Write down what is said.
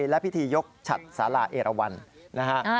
และพิธียกฉัดสาราเอราวันนะฮะ